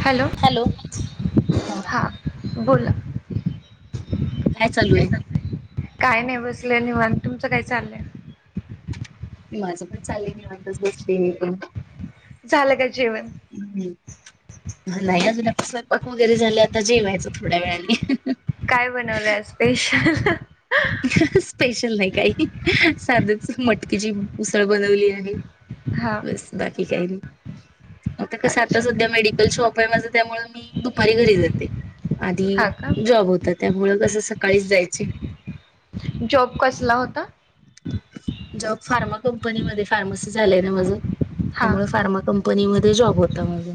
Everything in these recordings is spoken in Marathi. हॅलो हा हां बोला. काय चालूयेय. सगळ निवांत, तुमच काय चाललंय? माझं पण चाललंय मी अत्ताच बसलेय मी पण. झालं का जेवण हुं हां नाहीयं अजून स्वैपाक वगैरे झालं आता जेवायचं थोड्या वेळांनी काय बनवलंय स्पेशल? [unintelligible] स्पेशल नाही काही साधच मटकीेची उसळ बनवली आहे. हा बस बाकी काय नाही. आता कसं आता अच्छा सध्या मेडिकल शॉप आहे माझं त्यामुळे मी दुपारी घरी जाते. आधी हा का जॉब होता त्यामुळ कसं सकाळीच जायची. जॉब कसला होता. जॉब फार्मा कंपनीमध्ये फार्मसी झालंय ना! माझं. हा त्यामुळे फार्मा कंपनी मध्ये जॉब होता माझा.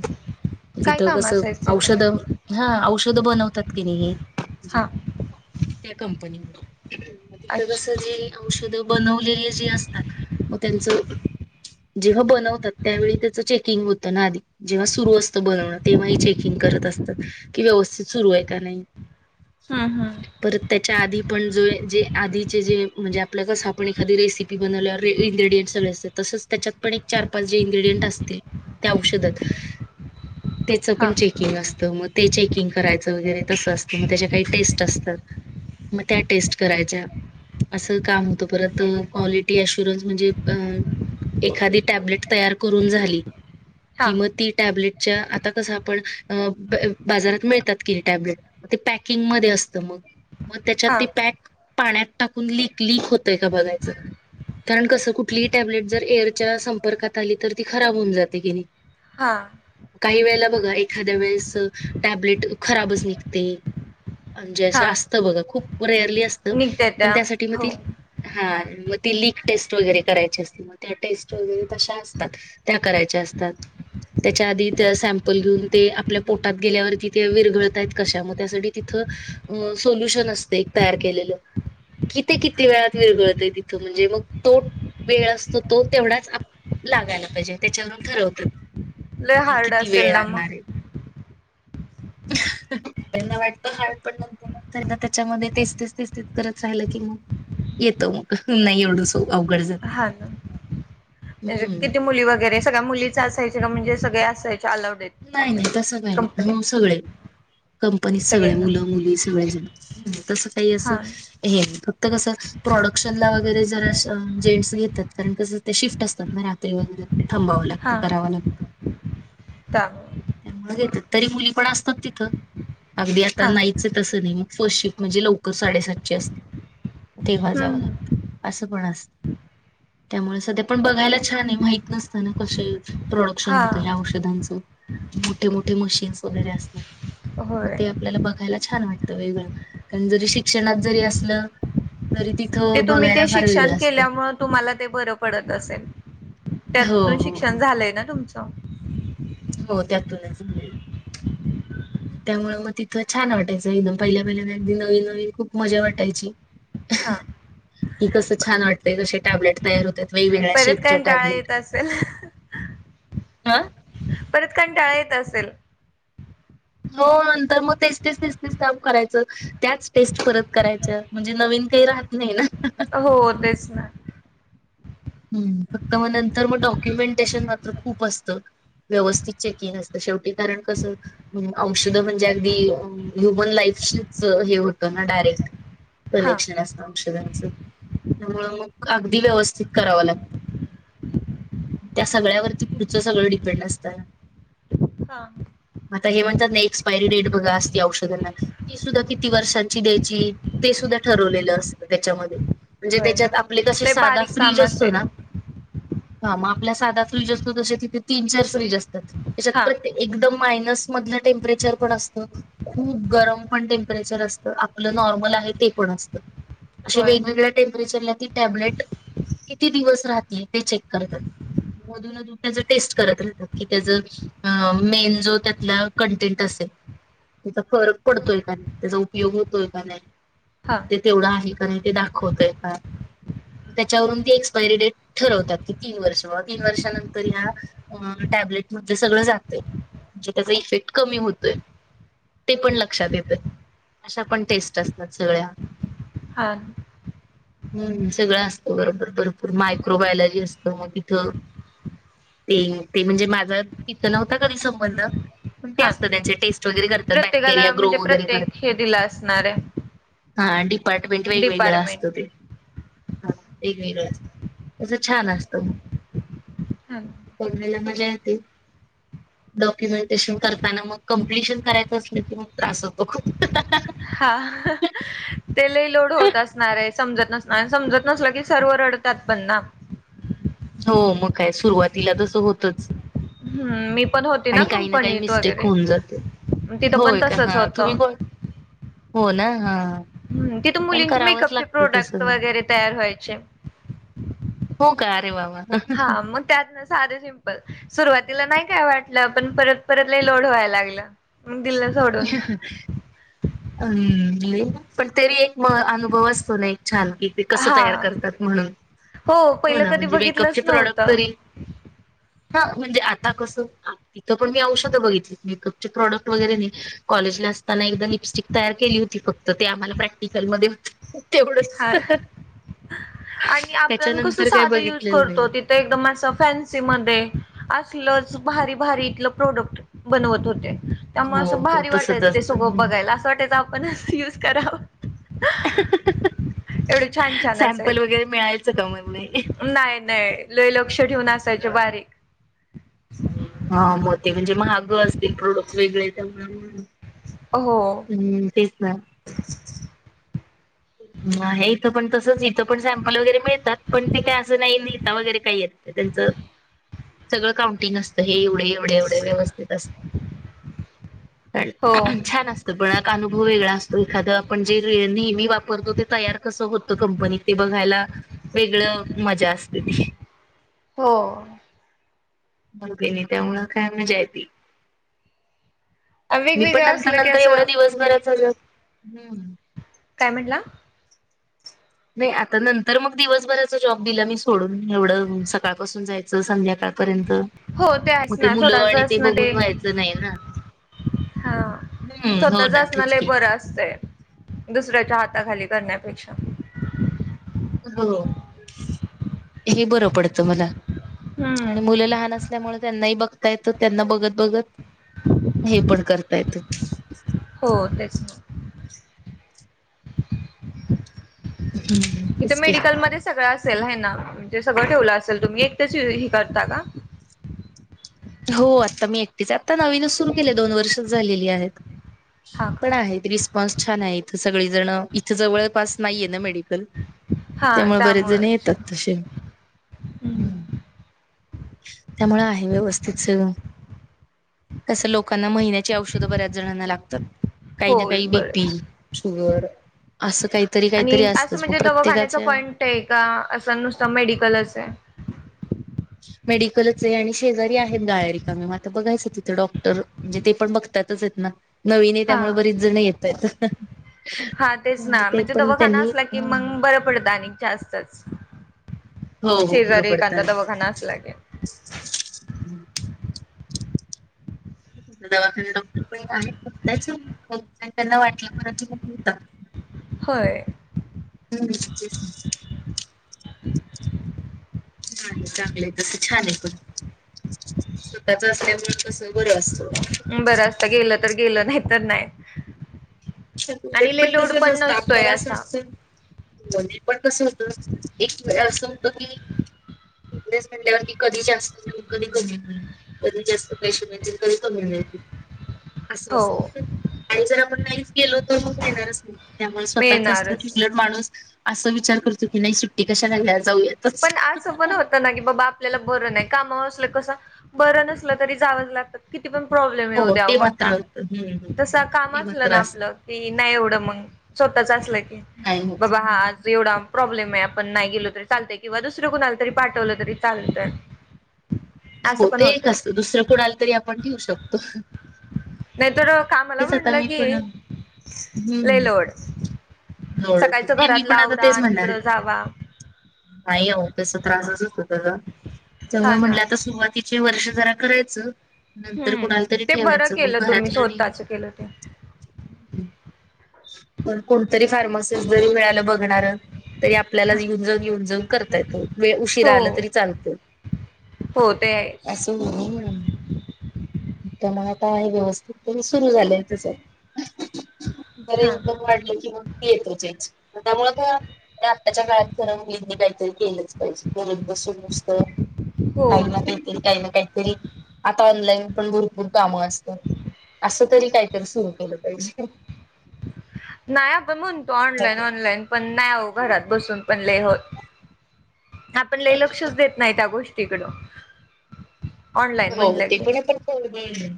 काय तिथं काम कस असायचं औषध तिथं हां औषध बनवतात किनी [unintelligible] हा त्या कंपनीमध्ये मग तिंथ कसे अच्छा जे औष ध बनवलेली जे असतात मग त्यांच जेव्हा बनवतात त्यावेळी त्याच चेकिंग होतं ना आधी जेव्हा सुरू असतं बनवणं तेव्हा चेकिं ग करत असतात कि व्यवस्थित सुरू आहे का नाही. हां हां. परत त्याच्या आधी पण जे- जे आधीचे जे म्हणजे आपल्या कसं आपण एखादी रेसिपी बनवल्यावर इनग्रेडीयंट सगळे अस तसच त्याच्यात पण एक चार पाच जे इनग्रेडियंट असते. त्या औषधांत तेच हा पण चेकंग असत मग ते चे किंग करायचं वगैरे तसं असतं मग त्याज्या काही टेस्ट असतात. मग त्या टेस्ट करायच्या असं. काम होत परत क्वालिटीअशुरनस् म्हणजे एखादी टॅब्लेट तयार करून झाली हा कि मग ती टॅबले टच्या आता कसं आपण अं बं बाजारात मिळतात कि टॅब्लेट ते पॅकिंग मध्ये असतं मग मग त्याच्यात हा ते पॅक पाण्यात टाकून लिक लिक होतय का बघायचं. कारण कसं कुठलीही टॅबलेट जर एअरच्या संपर्कात आली तर ती खराब होऊन जाते कीनी हां. काही वेळेला बघा एखाद्या वेळेस टॅबलेट खराबच निघते. म्हणजे हा असतं बघ खूप रेअरली असत निघत्या पण त्या त्यासाठी मग ती हो हां. हां मग ती लिक टेस्ट वगैरे करायची असते मग त्या टेस्ट वगैरे तशा असतात त्या करायच्या अस. तात त्याच्या आधी ते सॅम्पल घेऊन ते आपल्या पोटात गेल्यावर तिथे विरघळतायत कशा मग त्यासाठी तिथं. मग सोलुशन असते तयार केलेले. किती किती वेळात विरगळतंय तिथं म्हणजे मग तो वेळ असतो तो तेवढाच आ लागायला पाहिजे त्याच्यावरून ठरवतात लय कि हार्ड किती असेल वेळ ना मग लागणारयें. ह. त्यांना वाटत हा पण नंतर नंतर ना त्याच्यामध्ये तेच तेच तेच तेच करत राहिलं की मग येतो मग नाही एवढं सप हा ना म्हणजे हम्म किती मुली वगैरे सगळ्या मुलीच असायचे का म्हणजे सगळे असायचे. अलाउड आहेत तिथं नाही नाही म्हणजे तसं काही कंपनीत हो सगळे कंपनीत सगळे सगळ्यांना मुलं मुली सगळे जण. ह् तसं काही असं हां हे फक्त तर कसं प्रोडक्शनला वगैरे जर जेंट्स घेतात कारण कसं ते शिफ्ट असतात मग रात्री वगैरे थांबावं लागतं हां करावं लागतं. त्यामुळे त्यामुळं घेतात तरी मुली पण असतात तिथं, अगदी आता हां नाहीच तस नाही. फर्स्ट शिफ्ट म्हणजे लवकर साडेसातची असते तेव्हा जावं हम्म. लागतं असं. त्यामुळे सध्या पण बघायला छान आहे. माहित नसत ना कसे प्रोडक्शन हां होतं या्या औषधांचं मोठे मोठे मशीन्स वगैरे असतात. मग होय ते आपल्याला बघायला छान वाटते. वेगळं कारण जरी शिक्षणात जरी असलं. तरी ते तिथं तुम्ही बघायला ते फार शिक्षण वेगळं असतं केल्यामुळे तुम्हाला ते बरं पडत असेल. हो त्यातून हो हो शिक्षण झालंय ना तुमचं. हो त्यातूनच झा. त्यामुळे मग तिथं छान वाटायचं एकदम पहिल्या पहिल्या ना अगदी नवीन नवीन खूप मजा वाटायची. हा की कस छान वाटते क टॅबलेट तयार होते. वेगवेगळ्या परत शेपच्या कंटाळा टॅबलेट येत असेल हा. परत कंटाळा येत असेल. हो नंतर मग तेच तेच काम करायचं त्याच टेस्ट परत करायच म्हणजे नवीन. काही राहत नाही ना. हो तेच ना हम्म फक्त मग नंतर मग डॉक्युमेंटेशन मात्र खूप असतं. व्यवस्थित चेकिंग असत शेवटी कारण कस औषध म्हणजे अगदी ह्युमन लाई. हेत ना डायरेक्ट. हा कनेक्शन अस औषधांच त्यामूळ मग अगदी व्यवस्थित. कराव लागत. त्या सगळ्यावरती पुढचं सगळं डिपेंड असतं. हा. आता हे म्हणतात नाही एक्सपायरी डेट बघा असते औषधांना ती सुद्धा किती वर्षांची द्यायची. ते सुद्धा ठरवलेलं असतं त्याच्यामध्ये. म्हणजे होय ना त्याच्यात आपले कसे लय साध बारीक काम असेल. हा मग आपला साधा फ्रीज असतो तसे तिथे तीन चार फ्रीज असतात. त्याच्यात हा प्रत्ये एकदम फायनस मधले टेंपरेचर पण असतं. खूप गरम पण टेम्परेचर असतं. आपलं नॉर्मल आणि ते पण असतं. असे होय वेगवेगळ्या टेंपरेचरला ती टॅबलेट किती दिवस राहतील ते चेक करतात. मधून अधून त्याज टेस्ट करत राहतात. की त्याज अ मेन जो त्यातला कंटेंट अस त्याचा फरक पडतोय का नाही, त्याचा उपयोग होतोय का नाही. हा ते तेवढं आहे का नाही ते दाखवतय का. त्याच्यावरून ते एक्पायरी डेट ठरवत्यात की तीन वर्ष बाबा, तीन वर्षानंतर ह्या टॅबलेट सगळ जातय, त्याचा इफेक्ट कमी होतोय. ते पण लक्षात येतं. अशा पण टेस्ट असतात सगळ्या. हा. हम्म सगळं असतं बरोबर भरपूर मायक्रोबायलॉजी असत मग इथं. ते ते म्हणजे माझा तिथं नव्हता कधी संबंध. पण ते हा असत त्यांचे टेस्ट वगैरे करतात. प्रत्येकाला बॅक्टेरिया ग्रो म्हणजे वगैरे प्रत्येक हे करतात. दिला असणार आहे हा डिपार्टमेंट वेगवेगळं असतं डिपार्टमेंट ते. वेगवेगळ अस तस छान असत हां मग ते डॉक्युमेंटेशन करताना मग कं्प्लटिशन करायचं असल्या क मग त्रास होतो. हा ते लही लोड होत असणार आहे समजत नसणार समजत नसल की सर्व रड ात पण ना हो मग काय सुरुवातीला तस होतच. हम्म मी पण होती आणि काही ना काही कंपनीत मिस्टेक वगैरे होऊन जाते. तिथं पण होय का तसच हा तुम्ही होतं कोण हो ना हा हम् तिथं पण मुलींचे करावंच मेकअपचे लागतं प्रोडक्ट तसं. वगैरे तयार व्हायचे. हो का अरे वावा हा मग त्यात ना साधे सिम्पल सुरुवातीला नाही काय वाटलं पण परत परत ल लोड व्हायला लागलं म दिलं सोडून अम्म पण तरी एक म अनुभव असतो ना एक छान की ते कसं हा तयार करतात म्हणून हो पहिलं ना कधी म्हणजे बघितलंच मेकअपचे प्रॉडक्ट नव्हतं तरी? ह म्हणजे आता कसं तिथं पण मी औषधं बघितली मेकअपचे प्रॉडक्ट वगैरे कॉले लिपस्टिक तयार केली होती फक्त ते आम्हाला प्रॅक्टिकल एवढच हा आणि आपण कसं साध यूज करतो नाही तिथं एकदम असं फॅन्सी म अस क्लच भारी भारी इथलं प्रोडक्ट बनवत होते. त्यामुळे हो असं हो भारी तसच वाटायचं ते असत सगळं बघायला असं वाटायचं आपण युज कराव छान सॅमपल असायचे वगैरे मिळायचं का म नाही नाही लय लक्ष ठेऊून असायचे बारीक हा मोठ म्हणजे महाग असतील प्रोडक्ट वेगळे त्यामुळे हो हम्म तेच ना इथं पण तसच. इथं पण सॅम्पल वगैरे मिळतात पण ते काय असं नाही नेहता वगैरे काही येत. त्यांच सगळं काउंटिंग असत हेवढ. एवढे एवढे व्यवस्थित असतं. हो छान असत पण- वेगळा असतो एखाद आपण जे नेहमी- तो तयार कस होत कंपनीत ते बघायला वेगळ मजा असते ती. हो. त्यामुळे काय मजा येती. मी पण वेगवेगळं नंतर असलं की नंतर एवढा असं दिवसभरच- काय म्हटलं? नाही आता नंतर मग दिवसभराचा जॉब दिला मी सोडून. एवढं सकाळपासून जायचं संध्याकाळ र्यंत हो मग आहेच ते ना मुलं स्वतःच आणि ते असणं बघून व्हायचं नाही ना. हा हम्म हो स्वतःच ना असणं तेच लय की. बरं असतंय दुसऱ्याच्या हाताखाली करण्यापेक्षा. हे बरं पडत मला. आणि हम्म मुलं लहान असल्यामुळे त्यांनाही बघता येतं. त्यांना बघत बघत हे पण करता येत. हो तेच म. हम्म तिथे तेच की मेडिकलमध्येध्ये सगळं असेल हाय ना. ते सगळं ठेवलं असेल तुम्ही एक तरच हे करता का? हो आता मी एकटीच आता नवीनच सुरू केले दोन वर्षच झालेली आहेत. हा का पण आहेत रिस्पॉन्स छान आहे इथ सगळी जण इथ जवळपास नाहीये ना. हा त्यामुळे बरेच जण त्यामुळेच येतात तसे. हम्म. हम्. त्यामुळे आहे व्यवस्थित सगळं. कसं लोकांना महिन्या- औषध बऱ्याच जणांना लातात काही हो ना काही बीपी बरंच शुगर - आणि असं म्हणजे दवाखान्याच प्रत्येकाच्या पॉइंट आहे का असं नुसतं मेडिकलच आहे? मेडिकलच आहे आणि शेजारी आहेत गाळे रिकामे मग आता बघायचं तिथे डॉक्टर. म्हणजे ते पण बघतातच- नवीन आहे हा त्यामुळे बरीच जण येतायत. हा तेच ना म्हणजे दवाखाना असला की मग हो बरं पडत आणि जास्तच. हो बरं शेजारी पडतं एखादा दवाखाना असला कि दवाखान्यात डॉक्टर पण आहेत. त्याच त्यांना वाटल म्हणजे मग काय- होय. हम्. चांगलं आहे तसं छान आहे पण स्वतःच असल्यामुळे कस बरं असत. बरं असत गेलं तर गेलं नाही तर नाही. आणि लय उघटपट लोड तसच पण असतं नसतोय आपल्यालाच असं असा असतं- पण कसं होत एक वेळ असं होत की बिझनेस मम्हणल्या वरती कधी जास्त मिळल, कधी कमी मिळेल कधी जास्त पैसे मिळतील कधी कमी मिळतील. अस हो असत आणि जर आपण नाहीच गेलो तर मग येणारच नाही- त्यामुळे स्वतःच असलं कि मिळणारच नाही उलट माणूस असं विचार करतो की नाही सुट्टी कशा घ्याल. पण असं पण होत ना की बाबा आपल्याला बरं नाही- कामावर असल कस बरं नसल तरी जावंच लागतं किती पण प्रॉब्लेम येऊ हो द्या ते मोठा मात्र होतं हम्म हम्म, तस हम्म. काम ते असलं मात्र ना असत आपलं कि नाही एवढं मग स्वतःच असलं की नाही होत बाबा हा आज एवडा प्रॉब्लेम आहे आपण नाही गेलो तरी चालतय किंवा दुसरं कुणाला तरी पाठवलं तरी चालतं. हो ते एक असत दुसरं कोणाला तरी आपण घेऊ शकतो. नाहीतर कामाला तेच आता म्हणलं मी की पण लई हम्म लोड जोडवतो सकाळच नाही मी घरातला पण आता आवरा तेच आणि म्हणणार तिकड आहे. जावा नाही हो तस त्रासच होत होता ग. जवळ हा ना म्हटलं आता सुरुवातीचे वर्ष जरा करायचं. नंतर हम्म कुणाला तरी ते बरं ठेवायचं मग केलं तुम्ही घरातल्यानी स्वतःच केलं ते पण कोणतरी फार्मासिस जरी मिळाल बघणार तरी आपल्याला येऊन जाऊन येऊन जाऊन करता येतो वेळ उशीिरा हो आलं तरी चालतं हो ते आहेच अससं हो त्यामुळे आता आहे व्यवस्थित पण सुरु झालंय तसं बरे हा इन्कम वाढलं किंवा येतोचेच त्यामुळं आता आताच्या काळात खर मुलींनी काहीतरी केलंच पाहिजे घरात बसून बसून हो काही ना काहीतरी काही ना काहीतरी आता ऑनलाईन पण भरपूर कामंअसतात असं तरी काहीतरी सुरू केलं पाहिजे नाही आपण म्हणतो ऑनलाईन ऑनलाईन पण नाही आहो घरात बसून पण लई होत आपण लई लक्षच देत नाही त्या गोष्टीकडं ऑनलाईन हो म्हणलं ते की पण आपण कोणेन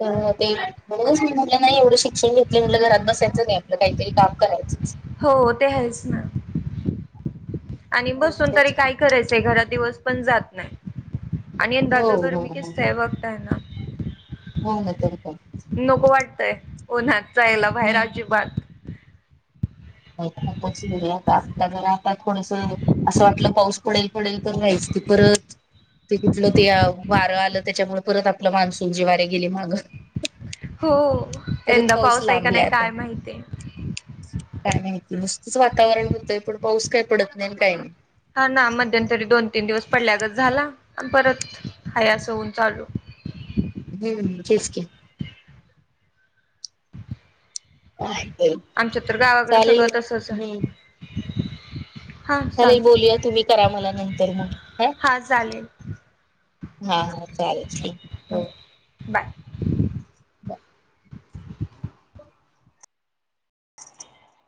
तर ते म्हटलं नाही एवढं शिक्षण घेतले म्हटलं घरात बसायचं नाही आपलं काहीतरी काम करायचंच हो ते हायच ना आणि हो बसून तरी काय करायचंय घरात दिवस पण जात नाही आणि दादा बर हो मी हो कीचताय बघताय ना हो ना तरी पण नको वाटतय उन्हात जायला बाहेर अजिबात नाय खूपच वेगळा ताप जरा आता थोडस असं वाटलं पाऊस पडेल पडेल तर नायच टिपुरच ते तिथलं ते वारं आलं त्याच्यामुळे परत आपलं मान्सून जी वारे गेले मागं हो परत यंदा पाऊस आहे का नाही लांबलाय आता काय माहिती काय माहिती नुसतच वातावरण होतंय पण पाऊस काही पडत नाही काही नाही हा ना मध्यंतरी दोन तीन दिवस पडल्यागच झाला परत हाय अस ऊन चालू हम्म टेस्टी अ आमच्या तर गावाकडे चालेल सगळं तसंच हम्म... आहे हा चालेल चालतंय बोलूया तुम्ही करा मला नंतर मग ह. हां चालेल हा हा चालेल हो... बाय [unintelligible]